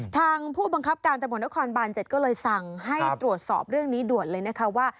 ทางผู้บังคับการตำรวจนครบาน๗ก็เลยสั่งให้ตรวจสอบเรื่องนี้ด่วนเลยนะคะว่า